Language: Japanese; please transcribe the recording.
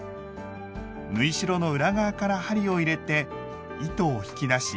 縫い代の裏側から針を入れて糸を引き出し